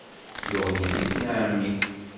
Yuɣ yelli-s n ɛemmi.